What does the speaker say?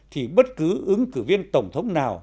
thì bất cứ ứng cử viên tổng thống nào